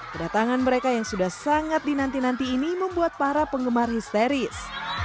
kedatangan mereka yang sudah sangat dinanti nanti ini membuat para penggemar histeris